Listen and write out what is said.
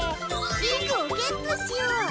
リングをゲットしよう！